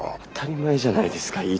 当たり前じゃないですか。